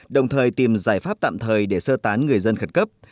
đồng thời tìm giải pháp tạm thời để sơ tán người dân khẩn cấp